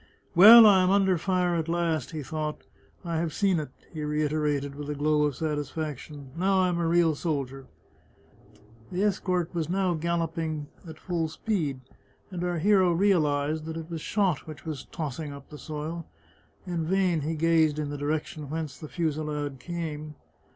" Well, I am under fire at last," he thought. " I have seen it !" he reiterated, with a glow of satisfaction. " Now I am a real soldier !" The escort was now galloping at full speed, and our hero realized that it was shot which was tossing up the soil. In vain he gazed in the direction whence the fusillade came.